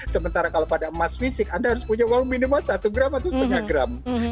sementara kalau pada emas fisik anda harus punya uang minimal satu gram atau setengah gram